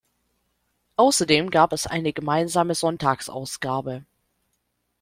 Außerdem gab es eine gemeinsame Sonntagsausgabe.